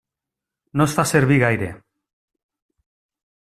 No es fa servir gaire.